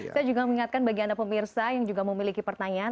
saya juga mengingatkan bagi anda pemirsa yang juga memiliki pertanyaan